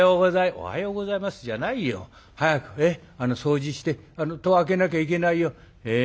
「おはようございますじゃないよ。早く掃除して戸を開けなきゃいけないよ」。